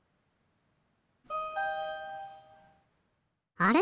あれ？